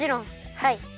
はい。